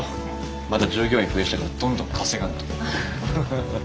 また従業員増やしたからどんどん稼がんと。